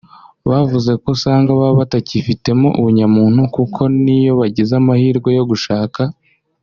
Bavuze ko usanga baba batakifitemo ubunyamuntu kuko n’ iyo bagize amahirwe yo gushaka